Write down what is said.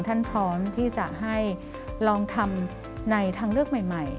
พร้อมที่จะให้ลองทำในทางเลือกใหม่